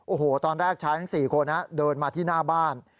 โอ้โหตอนแรกชายทั้ง๔คนเดินมาที่หน้าบ้าน